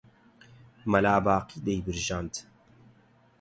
مەلا باقی دەیبرژاندن